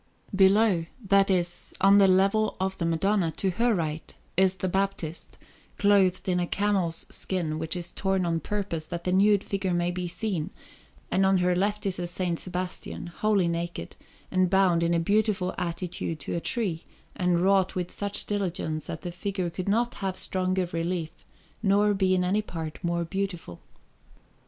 Below that is, on the level of the Madonna, to her right is the Baptist, clothed in a camel's skin, which is torn on purpose that the nude figure may be seen; and on her left is a S. Sebastian, wholly naked, and bound in a beautiful attitude to a tree, and wrought with such diligence that the figure could not have stronger relief nor be in any part more beautiful.